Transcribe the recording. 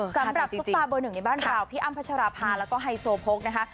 ซุปตาเบอร์หนึ่งในบ้านเราพี่อ้ำพัชราภาแล้วก็ไฮโซโพกนะคะ